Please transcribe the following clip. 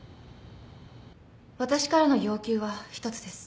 私からの要求は一つです。